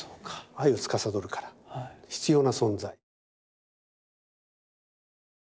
愛をつかさどるから必要な存在。